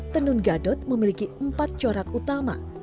tenun gadot memiliki empat corak utama